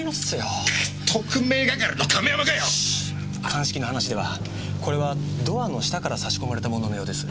鑑識の話ではこれはドアの下から挿し込まれたもののようです。